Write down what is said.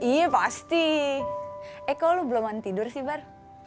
iya pasti eh kok lu belum tidur sih bar